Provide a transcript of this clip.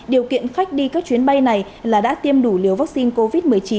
điều kiện khách đi các chuyến bay này là đã tiêm đủ liều vaccine covid một mươi chín